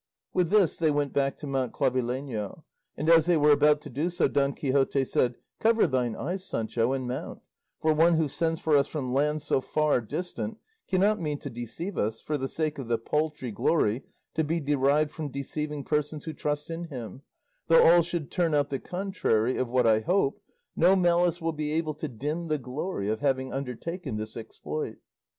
With this they went back to mount Clavileño, and as they were about to do so Don Quixote said, "Cover thine eyes, Sancho, and mount; for one who sends for us from lands so far distant cannot mean to deceive us for the sake of the paltry glory to be derived from deceiving persons who trust in him; though all should turn out the contrary of what I hope, no malice will be able to dim the glory of having undertaken this exploit."